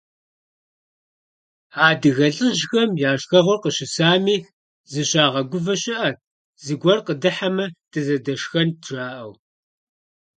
Адыгэ лӀыжьхэм я шхэгъуэр къыщысами, зыщагъэгувэ щыӀэт, «зыгуэр къыдыхьамэ, дызэдэшхэнт», - жаӀэу.